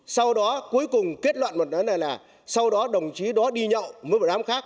sau đó cuối cùng kết luận là sau đó đồng chí đó đi nhậu với một đám khác